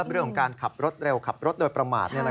เรื่องของการขับรถเร็วขับรถโดยประมาท